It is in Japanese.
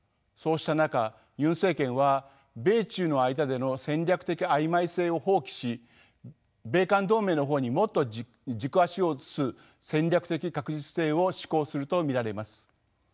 そうした中ユン政権は米中の間での戦略的曖昧性を放棄し米韓同盟の方にもっと軸足を移す戦略的確実性を指向すると見られます。